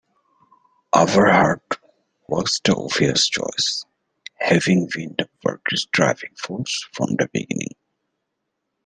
Aberhart was the obvious choice, having been the party's driving force from the beginning.